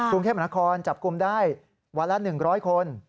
กรุงเทพมนาคมจับกลุ่มได้วันละ๑๐๐คน